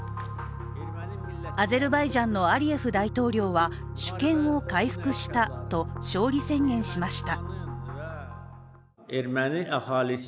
アゼルバイジャンのアリエフ大統領は主権を回復したと勝利宣言しました。